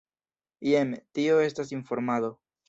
Jen, tio estas informado.